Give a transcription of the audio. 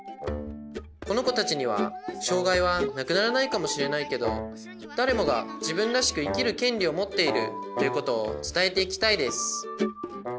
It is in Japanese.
このこたちにはしょうがいはなくならないかもしれないけど「だれもがじぶんらしくいきるけんりをもっている」ということをつたえていきたいです